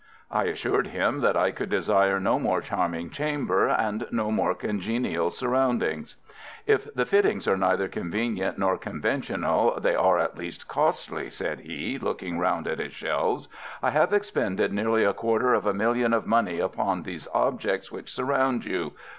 I assured him that I could desire no more charming chamber, and no more congenial surroundings. "If the fittings are neither convenient nor conventional, they are at least costly," said he, looking round at his shelves. "I have expended nearly a quarter of a million of money upon these objects which surround you.